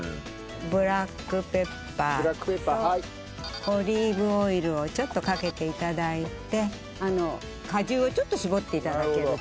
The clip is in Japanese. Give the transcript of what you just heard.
ブラックペッパーとオリーブオイルをちょっとかけて頂いて果汁をちょっと搾って頂けると。